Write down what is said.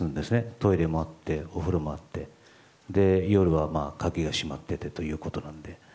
トイレもあって、お風呂もあって夜は鍵が閉まっていてということで。